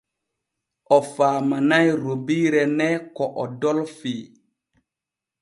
O faamanay rubiire ne ko o dolfii.